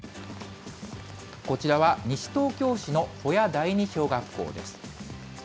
こちらは西東京市の保谷第二小学校です。